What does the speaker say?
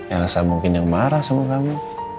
elsa mungkin yang marah sama kamu